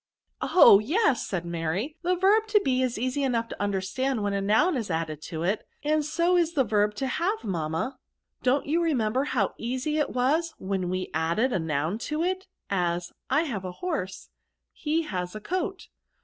265 " Oh ! yes/' said Mary, " the verb to be is easy enough to understand when a noun is added to it; and so is the verb to have, mamma. Don't you remember how easy it was when we added a noun to it, as, I have a horse, he has a coat